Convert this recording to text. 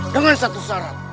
dengan satu syarat